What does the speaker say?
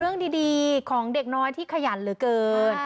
เรื่องดีของเด็กน้อยที่ขยันเหลือเกิน